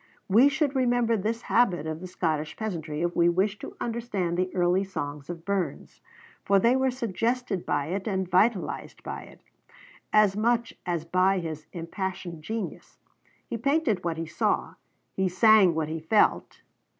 We should remember this habit of the Scottish peasantry if we wish to understand the early songs of Burns; for they were suggested by it, and vitalized by it, as much as by his impassioned genius. He painted what he saw; he sang what he felt.